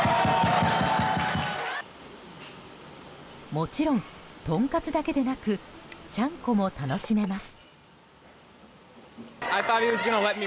もちろん、とんかつだけでなくちゃんこも楽しめます。